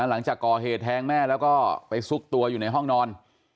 หลังจากก่อเหตุแทงแม่แล้วก็ไปซุกตัวอยู่ในห้องนอน